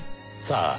さあ。